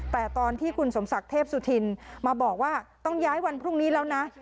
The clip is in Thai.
แต่ตอนที่คุณสมศักดิ์เทพสุธินมาบอกว่าต้องย้ายวันพรุ่งนี้แล้วนะ